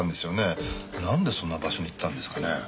なんでそんな場所に行ったんですかね？